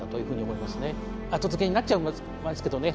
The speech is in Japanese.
後付けになっちゃいますけどね。